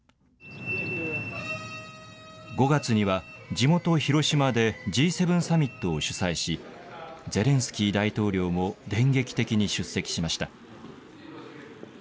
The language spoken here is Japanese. ５月には地元・広島でＧ７サミットを主催しゼレンスキー大統領も電撃的に出席しました。